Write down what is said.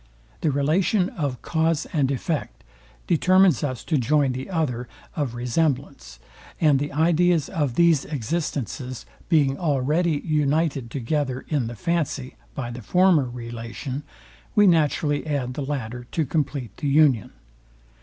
The relation of cause and effect determines us to join the other of resemblance; and the ideas of these existences being already united together in the fancy by the former relation, we naturally add the latter to compleat the union.